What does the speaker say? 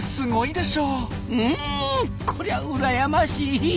うんこりゃうらやましい。